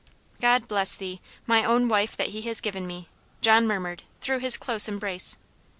"God bless thee my own wife that He has given me!" John murmured, through his close embrace.